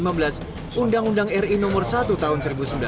mengundang ri nomor satu tahun seribu sembilan ratus empat puluh enam